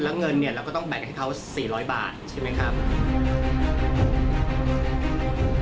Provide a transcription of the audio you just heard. แล้วเงินเนี่ยเราก็ต้องแบ่งให้เขา๔๐๐บาทใช่ไหมครับ